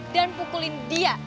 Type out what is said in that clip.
dan pukulin dia